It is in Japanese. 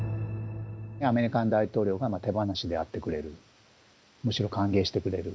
アメリカの大統領が手放しで会ってくれる、むしろ歓迎してくれる。